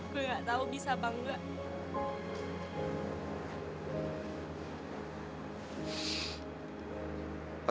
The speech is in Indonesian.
gue gak tahu bisa apa enggak